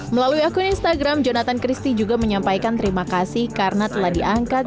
melalui akun instagram jonathan christie juga menyampaikan terima kasih karena telah diangkat